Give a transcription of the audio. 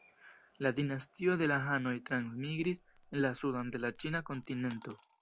La dinastio de la hanoj transmigris en la sudon de la ĉina kontinento.